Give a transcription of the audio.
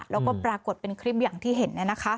แล้วก็ปรากฏเป็นคลิปอย่างที่เห็น